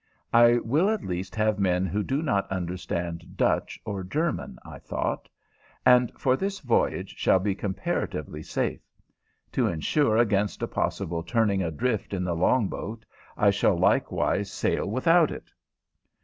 "I will at least have men who do not understand Dutch or German," I thought, "and for this voyage shall be comparatively safe. To insure against a possible turning adrift in the long boat, I shall likewise sail without it."